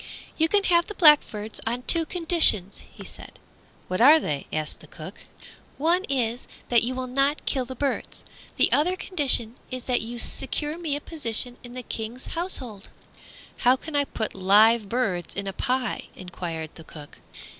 "You can have the blackbirds on two conditions," he said. "What are they?" asked the cook. "One is that you will not kill the birds. The other condition is that you secure me a position in the King's household." "How can I put live birds in a pie?" enquired the cook.